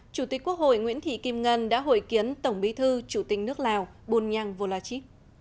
chủ tịch quốc hội nguyễn thị kim ngân đã hội kiến tổng bí thư chủ tịch nước lào bùn nhang vô la chí